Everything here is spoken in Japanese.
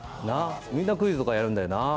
みんなクイズとかやるんだよな。